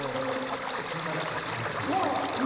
ちょっと心配だったりしますよね。